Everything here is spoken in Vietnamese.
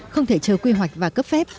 không thể chờ quy hoạch và cấp phép